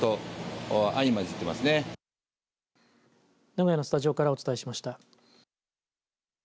名古屋のスタジオからお伝えしました。